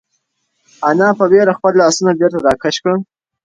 انا په وېره خپل لاسونه بېرته راکش کړل.